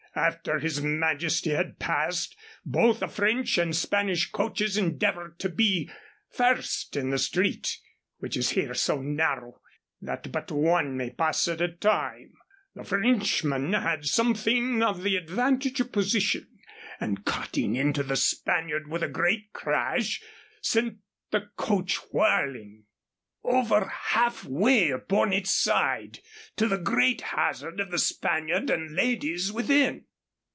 After his Majesty had passed, both the French and Spanish coaches endeavored to be first in the street, which is here so narrow that but one may pass at a time. The Frenchman had something of the advantage of position, and, cutting into the Spaniard with a great crash, sent the coach whirling over half way upon its side, to the great hazard of the Spaniard and ladies within.